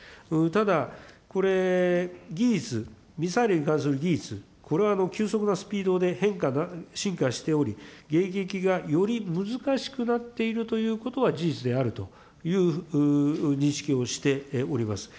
ただ、これ、技術、ミサイルに関する技術、これは急速なスピードで変化・進化しており、迎撃がより難しくなっているということは事実であるという認識をしております。